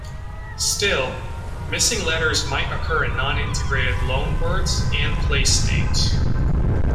Still, missing letters might occur in non-integrated loan words and place names.